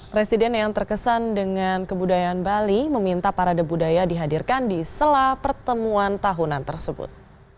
presiden yang terkesan dengan kebudayaan bali meminta parade budaya dihadirkan di sela pertemuan tahunan tersebut